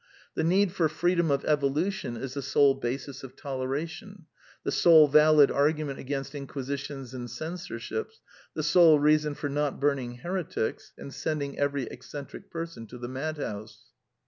The need for freedom of evolution is the sole basis of toleration, the sole valid argument against In quisitions and Censorships, the sole reason for not burning heretics and sending every eccentric person to the madhouse.